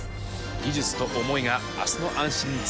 技術と思いが明日の安心につながっていく。